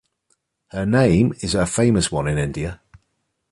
Her name is a famous one in India.